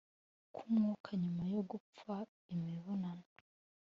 K umwuka nyuma yo gupfa imibonano